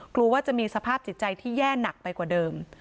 กลัวว่าจะมีสภาพจิตใจที่แย่หนักไปกว่าเดิม